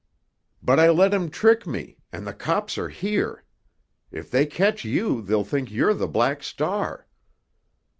"But I let him trick me—and the cops are here. If they catch you they'll think you're the Black Star."